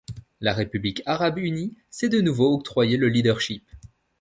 La République arabe unie s’est de nouveau octroyé le leadership.